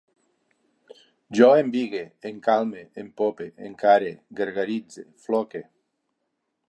Jo embigue, encalme, empope, encare, gargaritze, floque